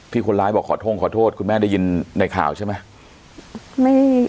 คนร้ายบอกขอโทษคุณแม่ได้ยินในข่าวใช่ไหม